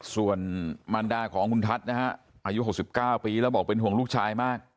ส่วนมันดาของคุณทัศน์นะฮะอายุ๖๙ปีแล้วบอกเป็นห่วงลูกชายมาก